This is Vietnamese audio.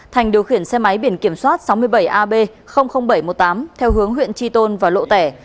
thành điều khiển xe máy biển kiểm soát sáu mươi bảy ab bảy trăm một mươi tám theo hướng huyện tri tôn và lộ tẻ